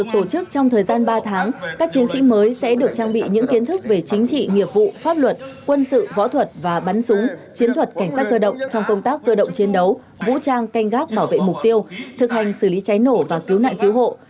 trong thời gian ba tháng các chiến sĩ mới sẽ được trang bị những kiến thức về chính trị nghiệp vụ pháp luật quân sự võ thuật và bắn súng chiến thuật cảnh sát cơ động trong công tác cơ động chiến đấu vũ trang canh gác bảo vệ mục tiêu thực hành xử lý cháy nổ và cứu nạn cứu hộ